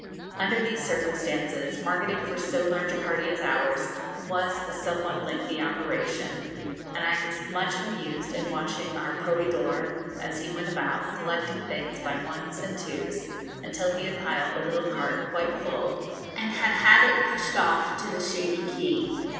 Under these circumstances, marketing for so large a party as ours was a somewhat lengthy operation, and I was much amused in watching our proveedor, as he went about collecting things by ones and twos, until he had piled a little cart quite full, and had had it pushed off to the shady quay.